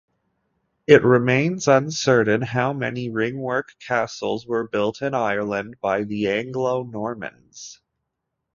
It remains uncertain how many ringwork castles were built in Ireland by the Anglo-Normans.